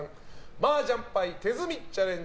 マージャン牌手積みチャレンジ。